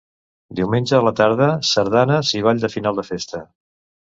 Diumenge a la tarda: sardanes i ball de final de festa.